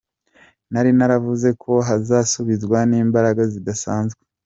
Nari naravuze ko nahasubizwa n’imbaraga zidasanzwe.